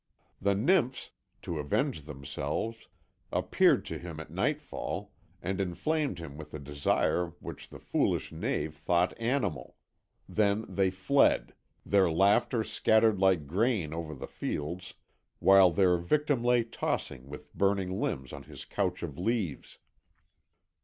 The Nymphs, to avenge themselves, appeared to him at nightfall and inflamed him with desire which the foolish knave thought animal; then they fled, their laughter scattered like grain over the fields, while their victim lay tossing with burning limbs on his couch of leaves.